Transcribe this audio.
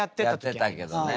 やってたけどね。